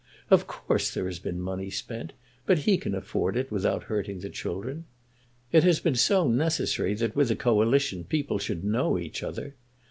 Of course, there has been money spent, but he can afford it without hurting the children. It has been so necessary that with a Coalition people should know each other!